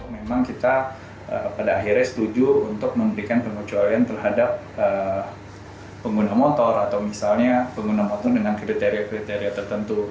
memang kita pada akhirnya setuju untuk memberikan pengecualian terhadap pengguna motor atau misalnya pengguna motor dengan kriteria kriteria tertentu